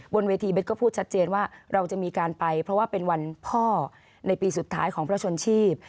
บนเวทีเบสก็พูดชัดเจนว่าเราจะมีการไปเพราะว่าเป็นวันพ่อในปีสุดท้ายของพระชนชีพ